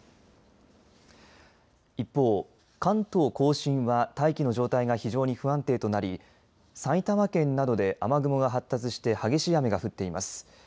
一方、関東甲信は大気の状態が非常に不安定となり埼玉県などで雨雲が発達して激しい雨が降っています。